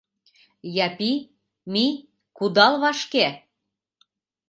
Япи, мий, кудал, вашке!..